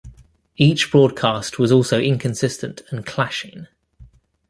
Each broadcast was also inconsistent and clashing.